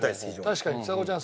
確かにちさ子ちゃん